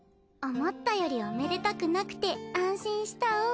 思ったよりおめでたくなくて安心したお。